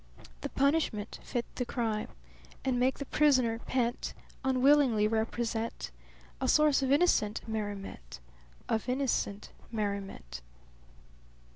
The punishment fit the crime. And make the prisoner pent Unwillingly represent A source of innocent merriment. Of innocent merriment!